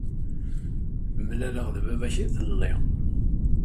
Mlaleɣ-d baba-k iḍelli.